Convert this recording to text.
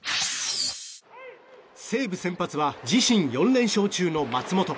西武先発は自身４連勝中の松本。